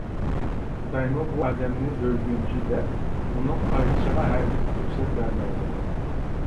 خىتايمۇ بۇ ئادەمنى بۆلگۈنچى دەپ ئۇنىڭ قايتىشىغا ھەرگىز پۇرسەت بەرمەيدۇ.